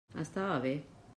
Estava bé!